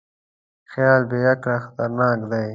خیال بېعقله خطرناک دی.